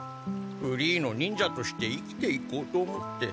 フリーの忍者として生きていこうと思って。